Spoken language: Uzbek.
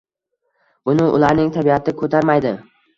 — buni ularning tabiati ko‘tarmaydi.